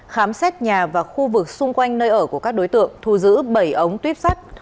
khám xét nhà và khu vực xung quanh nơi ở của các đối tượng thu giữ bảy ống tuyếp sắt